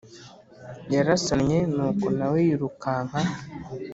yarasonnye nuko nawe yirukanka